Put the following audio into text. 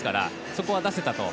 そこは出せたと。